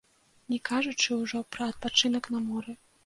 Не кажучы ўжо пра адпачынак на моры.